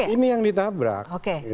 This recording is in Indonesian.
ini yang ditabrak